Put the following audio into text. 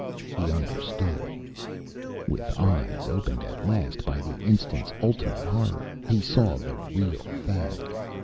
He understood. With eyes opened at last by the instant's ultimate horror, he saw the real Thag.